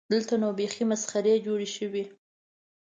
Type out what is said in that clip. دلته نو بیخي مسخرې جوړې شوې.